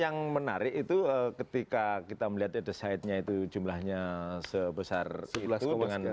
yang menarik itu ketika kita melihat undesightnya itu jumlahnya sebesar itu